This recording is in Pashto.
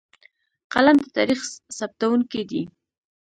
قلم د تاریخ ثبتونکی دی.